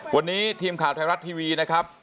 วันนี้ทีมข่าวไทยรัฐทีวีนะครับ